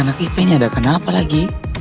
anak anak ipennya ada kenapa lagi